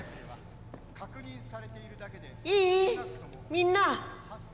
みんな。